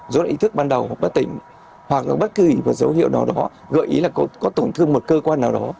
dấu hiệu ý thức ban đầu bất tỉnh hoặc là bất cứ dấu hiệu nào đó gợi ý là có tổn thương một cơ quan nào đó